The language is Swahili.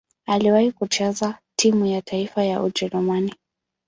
Aliwahi kucheza timu ya taifa ya Ujerumani.